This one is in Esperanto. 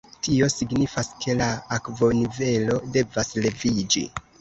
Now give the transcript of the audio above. Tio signifas ke la akvonivelo devas leviĝi.